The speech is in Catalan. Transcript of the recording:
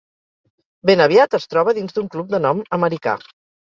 Ben aviat es troba dins d'un club de nom americà.